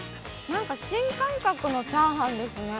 ◆なんか新感覚のチャーハンですね。